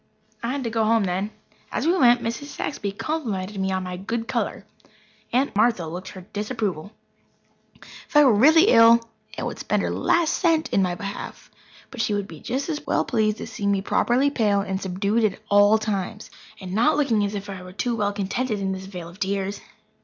I had to go home then. As we went Mrs. Saxby complimented me on my good colour. Aunt Martha looked her disapproval. If I were really ill Aunt would spend her last cent in my behalf, but she would be just as well pleased to see me properly pale and subdued at all times, and not looking as if I were too well contented in this vale of tears.